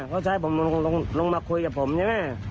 เขาใช้ผมลงมาคุยกับผมอย่างเนี้ย